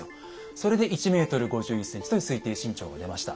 それで１ｍ５１ｃｍという推定身長が出ました。